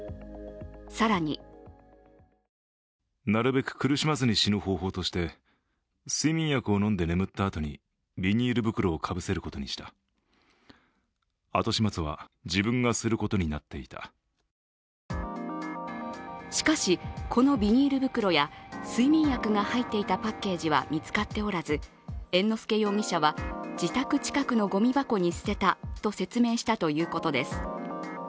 更にしかし、このビニール袋や睡眠薬が入っていたパッケージは見つかっておらず猿之助容疑者は、自宅近くのごみ箱に捨てたと説明したということです。